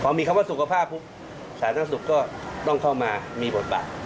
พอมีคำว่าสุขภาพปุ๊บสาธารณสุขก็ต้องเข้ามามีบทบาท